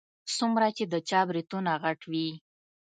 څومره چې د چا برېتونه غټ وي.